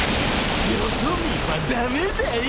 よそ見は駄目だよ。